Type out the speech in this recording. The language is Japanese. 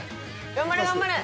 頑張れ頑張れ。